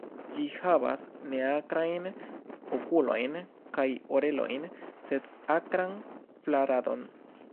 Ĝi havas neakrajn okulojn kaj orelojn, sed akran flaradon.